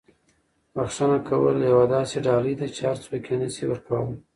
بښنه کول یوه داسې ډالۍ ده چې هر څوک یې نه شي ورکولی.